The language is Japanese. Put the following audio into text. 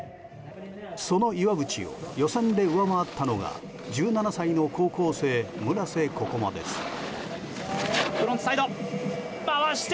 その岩渕を予選で上回ったのが１７歳の高校生、村瀬心椛です。